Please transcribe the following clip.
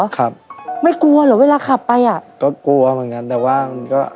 ครับไม่กลัวเหรอเวลาขับไปอ่ะก็กลัวเหมือนกันแต่ว่ามันก็